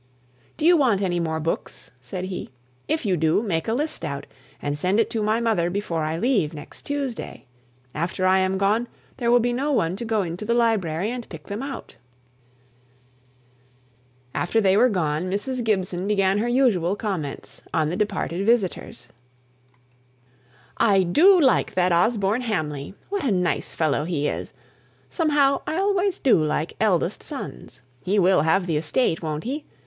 "Do you want any more books?" said he. "If you do, make a list out, and send it to my mother before I leave, next Tuesday. After I am gone, there will be no one to go into the library and pick them out." As soon as they had left, Mrs. Gibson began her usual comments on the departed visitors. "I do like that Osborne Hamley! What a nice fellow he is! Somehow, I always do like eldest sons. He will have the estate, won't he?